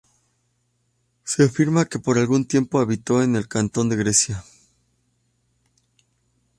Se afirma que por algún tiempo, habitó en el cantón de Grecia.